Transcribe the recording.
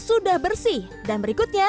sudah bersih dan berikutnya